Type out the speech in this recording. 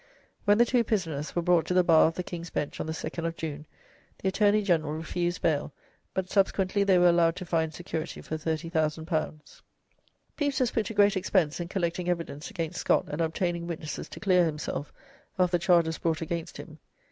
When the two prisoners were brought to the bar of the King's Bench on the 2nd of June, the Attorney General refused bail, but subsequently they were allowed to find security for L30,000. Pepys was put to great expense in collecting evidence against Scott and obtaining witnesses to clear himself of the charges brought against him.